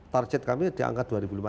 target kami di angka dua ribu lima ratus